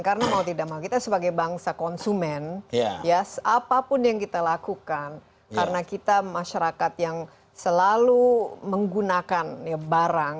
karena mau tidak mau kita sebagai bangsa konsumen apapun yang kita lakukan karena kita masyarakat yang selalu menggunakan barang